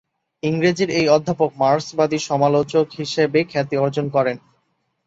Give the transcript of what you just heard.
ইংরেজির এই অধ্যাপক মার্ক্সবাদী সমালোচক হিসেবে খ্যাতি অর্জন করেন।